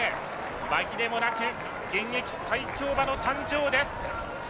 紛れもなく現役最強馬の誕生です。